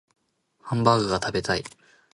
ハンバーグが食べたい